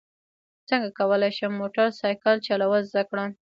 څنګه کولی شم موټر سایکل چلول زده کړم